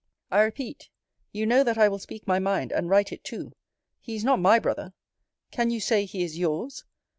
I repeat, you know that I will speak my mind, and write it too. He is not my brother. Can you say, he is yours?